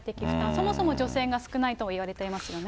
そもそも女性が少ないともいわれていますよね。